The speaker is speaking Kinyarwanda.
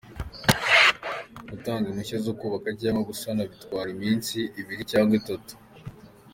Gutanga impushya zo kubaka cyangwa gusana bitwara iminsi ibiri cyangwa itatu.